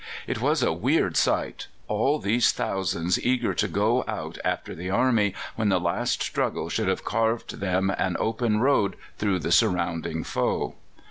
It was a weird sight all these thousands eager to go out after the army when the last struggle should have carved them an open road through the surrounding foe.